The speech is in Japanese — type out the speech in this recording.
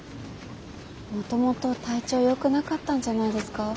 もともと体調よくなかったんじゃないですか。